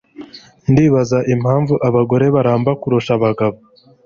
Ndibaza impamvu abagore baramba kurusha abagabo.